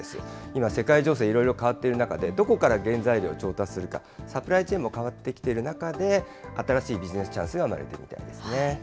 今、世界情勢、いろいろ変わっている中で、どこから原材料を調達するか、サプライチェーンも変わってきている中で、新しいビジネスチャンスが生まれているみたいですね。